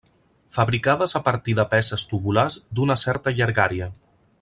Fabricades a partir de peces tubulars d'una certa llargària.